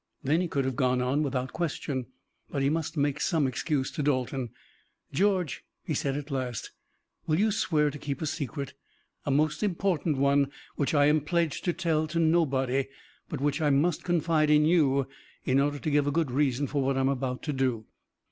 Then he could have gone on without question, but he must make some excuse to Dalton. "George," he said at last, "will you swear to keep a secret, a most important one which I am pledged to tell to nobody, but which I must confide in you in order to give a good reason for what I am about to do."